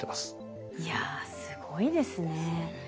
いやすごいですね。ですね。